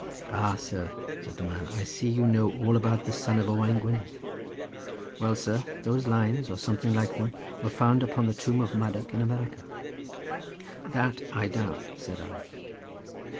'" "Ah, sir," said the man, "I see you know all about the son of Owain Gwynedd. Well, sir, those lines, or something like them, were found upon the tomb of Madoc in America." "That I doubt," said I.